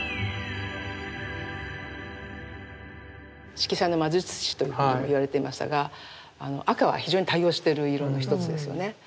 色彩の魔術師といわれてましたが赤は非常に多用してる色の一つですよね。